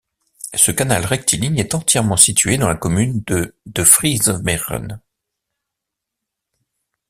Ce canal rectiligne est entièrement situé dans la commune de De Friese Meren.